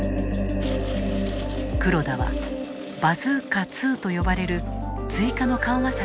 黒田はバズーカ２と呼ばれる追加の緩和策に踏み切る。